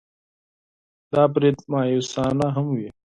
دا برید مأیوسانه هم وي.